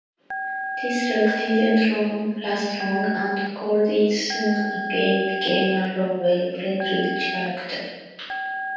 This look didn't last long, and Goldy soon again became a lovable, friendly character.